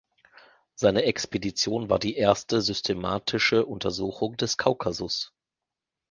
Seine Expedition war die erste systematische Untersuchung des Kaukasus.